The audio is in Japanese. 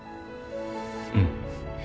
うん。